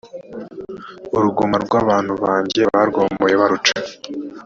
uruguma rw abantu banjye barwomoye baruca